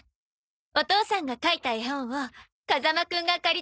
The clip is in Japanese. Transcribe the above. お父さんが書いた絵本を風間くんが借りてきたのよ。